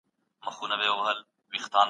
په عصري څېړنه کې له ساینس څخه ګټه اخلو.